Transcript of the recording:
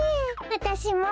わたしも。